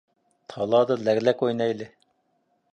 تالادا لەگلەك ئوينايلى.